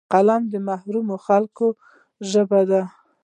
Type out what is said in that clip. قلم د محرومو خلکو ژبه ده